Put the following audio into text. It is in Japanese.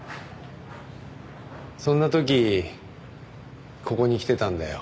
そんな時ここに来てたんだよ。